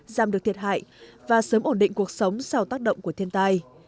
giảm được thiệt hại và sớm ổn định cuộc sống sau tác động của thiên tai